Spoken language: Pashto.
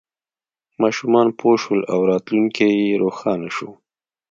ماشومان پوه شول او راتلونکی یې روښانه شو.